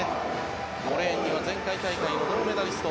５レーンには前回大会の銅メダリスト